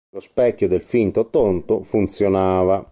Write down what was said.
Lo specchio del finto tonto funzionava.